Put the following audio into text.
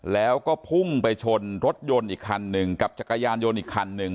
แล้วก็พุ่งไปชนรถยนต์อีกคันหนึ่งกับจักรยานยนต์อีกคันหนึ่ง